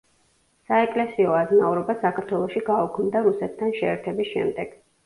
საეკლესიო აზნაურობა საქართველოში გაუქმდა რუსეთთან შეერთების შემდეგ.